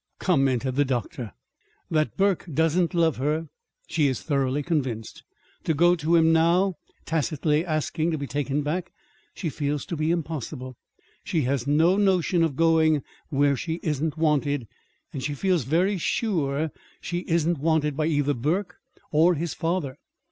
commented the doctor. "That Burke doesn't love her, she is thoroughly convinced. To go to him now, tacitly asking to be taken back, she feels to be impossible. She has no notion of going where she isn't wanted; and she feels very sure she isn't wanted by either Burke or his father.